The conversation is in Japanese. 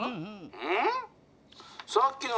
うん。